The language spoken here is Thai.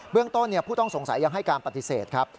เรื่องต้นผู้ต้องสงสัยยังให้การปฏิเสธครับ